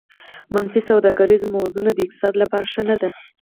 منفي سوداګریزه موازنه د اقتصاد لپاره ښه نه ده